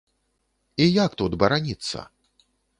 І як тут бараніцца?